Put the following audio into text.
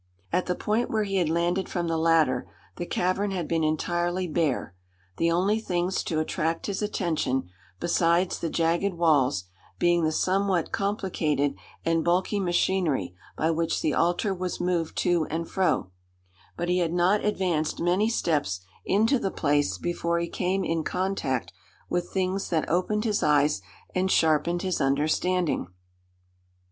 At the point where he had landed from the ladder the cavern had been entirely bare, the only things to attract his attention, besides the jagged walls, being the somewhat complicated and bulky machinery by which the altar was moved to and fro; but he had not advanced many steps into the place before he came in contact with things that opened his eyes and sharpened his understanding.